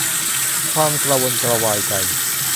ความกระวนกระวายใจ